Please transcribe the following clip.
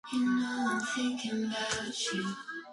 Su hábitat natural son los desiertos cálidos y templados.